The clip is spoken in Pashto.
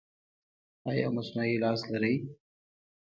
ایا مصنوعي لاس لرئ؟